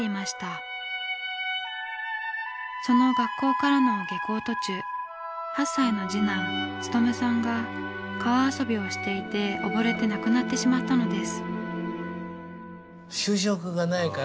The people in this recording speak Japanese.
その学校からの下校途中８歳の次男勉さんが川遊びをしていて溺れて亡くなってしまったのです。